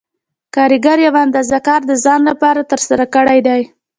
کارګر یوه اندازه کار د ځان لپاره ترسره کړی دی